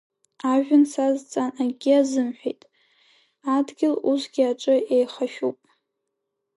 Ажәҩан сазҵаан акгьы азымҳәеит, адгьыл усгьы аҿы еихашәуп…